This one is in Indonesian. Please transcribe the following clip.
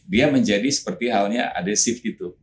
dia menjadi seperti halnya adesif gitu